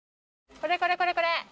これこれこれこれ。